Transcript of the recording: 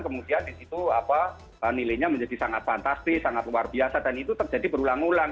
kemudian di situ nilainya menjadi sangat fantastis sangat luar biasa dan itu terjadi berulang ulang